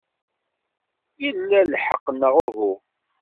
Ila lḥeqq, neɣ uhu?